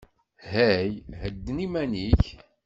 Hey, hedden iman-ik.